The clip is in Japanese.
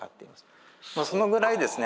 そのぐらいですね